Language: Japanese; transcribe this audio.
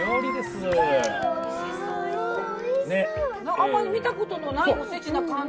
あんまり見たことのないおせちな感じ。